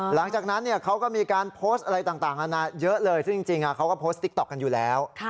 หลังจากนั้นเขาก็มีการโพสต์อะไรต่างนานาเยอะเลยซึ่งจริงเขาก็โพสต์ติ๊กต๊อกกันอยู่แล้ว